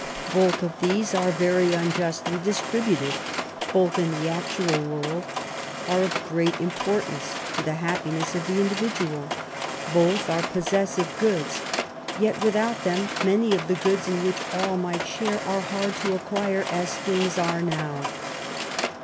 Both of these are very unjustly distributed; both, in the actual world, are of great importance to the happiness of the individual. Both are possessive goods; yet without them many of the goods in which all might share are hard to acquire as things are now.